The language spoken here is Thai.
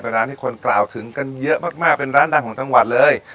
ร้านที่คนกล่าวถึงกันเยอะมากเป็นร้านดังของจังหวัดเลย